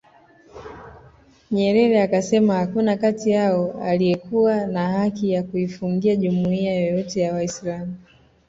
Nyerere akasema hakuna kati yao aliyekuwa na haki ya kuifungia jumuiya yoyote ya Waislam